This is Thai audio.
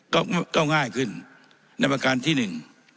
ก็ก็ง่ายขึ้นในประการที่หนึ่ง